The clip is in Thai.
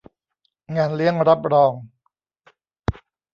งานเลี้ยงรับรอง